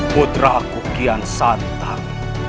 putraku kian santan